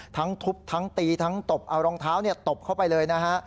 ทั้งทุบทั้งตีทั้งตบเอารองเท้าตบเข้าไปเลยนะฮะ